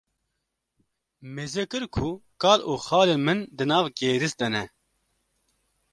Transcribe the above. mêze kir ku kal û xalên min di nav gêris de ne